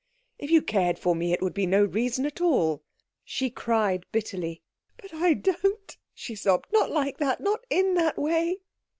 If you cared for me it would be no reason at all." She cried bitterly. "But I don't," she sobbed. "Not like that not in that way.